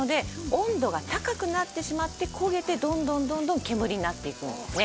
温度が高くなってしまって焦げてどんどんどんどん煙になっていくんですね。